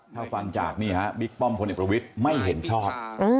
ถ้าฟังจากนี่ฮะบิ๊กป้อมพลเอกประวิทย์ไม่เห็นชอบ